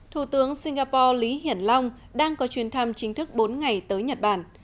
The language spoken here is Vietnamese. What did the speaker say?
thủ tướng singapore lý hiển long đang có chuyến thăm chính thức bốn ngày tới nhật bản